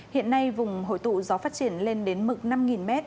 hiện nay vùng hội tụ gió phát triển lên đến mực năm m